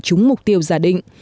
trúng mục tiêu giả định